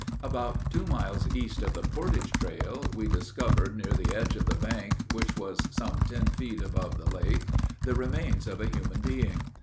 About two miles east of the Portage trail, we discovered near the edge of the bank, which was some ten feet above the lake, the remains of a human being.